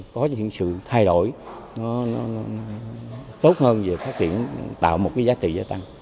có những sự thay đổi tốt hơn về phát triển tạo ra giá trị gia tăng